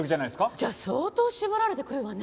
じゃあ相当絞られてくるわね。